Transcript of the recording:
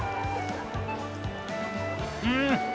うん！